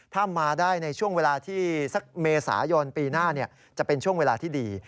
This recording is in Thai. ถ้ามาได้ในช่วงเวลาที่สักเมษายนปีหน้าจะเป็นช่วงเวลาที่ดี